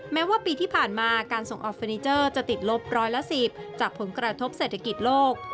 แม้ว่าปีที่ผ่านมาการส่งออกเฟอร์นิเจอร์จะติดลบร้อยละ๑๐จากผลกระทบเศรษฐกิจโลก